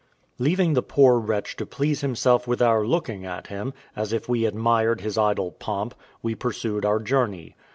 Leaving the poor wretch to please himself with our looking at him, as if we admired his idle pomp, we pursued our journey.